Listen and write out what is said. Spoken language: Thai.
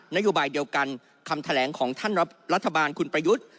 นโยบายเดียวกันคำแถลงของท่านรัฐบาลคุณประยุทธ์